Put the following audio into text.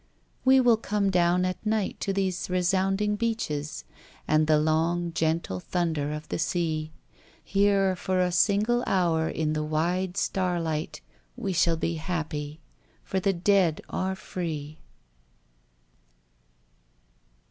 We will come down at night to these resounding beaches And the long gentle thunder of the sea, Here for a single hour in the wide starlight We shall be happy, for the dead are free.